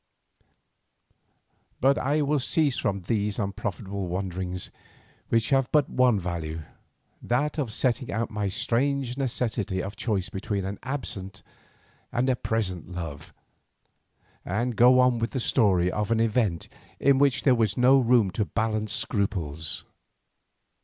But I will cease from these unprofitable wonderings which have but one value, that of setting out my strange necessity of choice between an absent and a present love, and go on with the story of an event in which there was no room to balance scruples.